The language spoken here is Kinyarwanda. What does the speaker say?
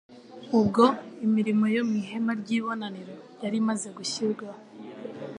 Ubwo imirimo yo mu ihema ry'ibonaniro yari imaze gushyirwaho,